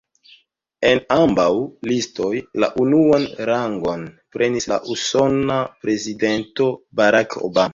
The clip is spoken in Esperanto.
En ambaŭ listoj, la unuan rangon prenis la usona prezidento, Barack Obama.